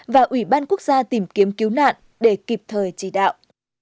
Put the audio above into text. và ủy ban quốc gia tìm kiếm cứu nạn để kịp thời chỉ đạo